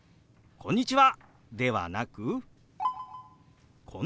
「こんにちは。